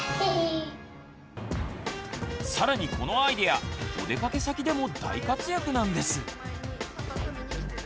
さらにこのアイデアお出かけ先でも大活躍なんです。